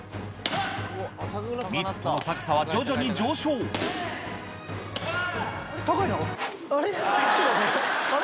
ミットの高さは徐々に上昇高いな。